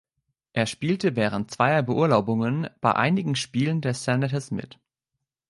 Er spielte während zweier Beurlaubungen bei einigen Spielen der Senators mit.